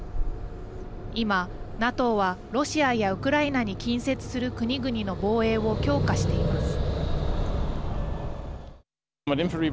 今、ＮＡＴＯはロシアやウクライナに近接する国々の防衛を強化しています。